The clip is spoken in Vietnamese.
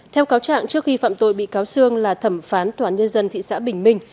theo cáo trạng trước khi phạm tội bị cáo sương là thẩm phán tòa án nhân dân thị xã bình minh